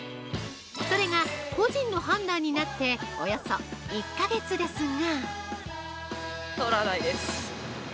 それが個人の判断になっておよそ１か月ですが。